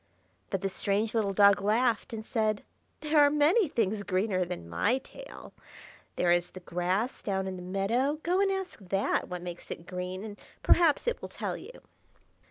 But the strange little dog laughed and said, "There are many things greener than my tail. There is the grass down in the meadow; go and ask that what makes it green, and perhaps it will tell you."